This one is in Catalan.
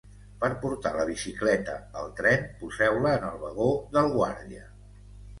Per portar la bicicleta al tren, poseu-la en el vagó del guàrdia.